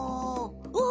お。